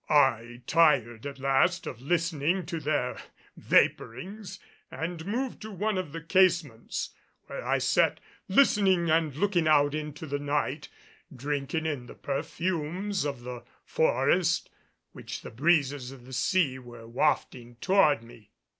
I tired at last of listening to their vaporings and moved to one of the casements where I sat listening and looking out into the night, drinking in the perfumes of the forest which the breezes of the sea were wafting toward me.